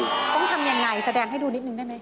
ต้องทำยังไงแสดงให้ดูนิดนึงได้ไหม